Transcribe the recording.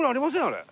あれ。